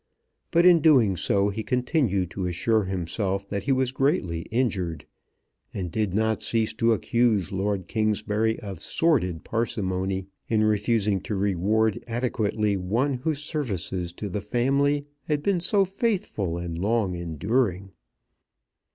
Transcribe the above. But in doing so he continued to assure himself that he was greatly injured, and did not cease to accuse Lord Kingsbury of sordid parsimony in refusing to reward adequately one whose services to the family had been so faithful and long enduring.